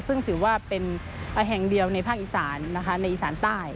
ซึ่งถือว่าเป็นแห่งเดียวในภาคอีสานนะคะในอีสานใต้